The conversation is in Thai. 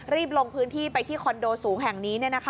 รีบลงพื้นที่ไปที่คอนโดสูงแห่งนี้